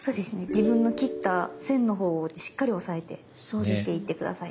自分の切った線のほうをしっかり押さえて切っていって下さい。